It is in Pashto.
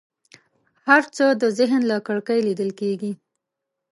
هر څه د ذهن له کړکۍ لیدل کېږي.